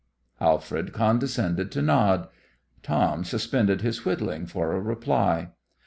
Alfred condescended to nod. Tom suspended his whittling for a reply.